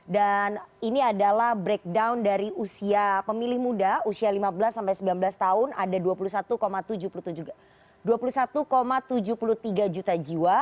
ini adalah breakdown dari usia pemilih muda usia lima belas sampai sembilan belas tahun ada dua puluh satu tujuh puluh tiga juta jiwa